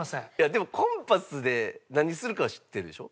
でもコンパスで何するかは知ってるでしょ？